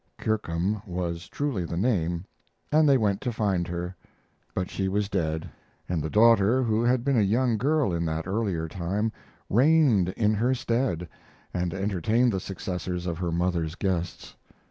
Kirkham was truly the name, and they went to find her; but she was dead, and the daughter, who had been a young girl in that earlier time, reigned in her stead and entertained the successors of her mother's guests.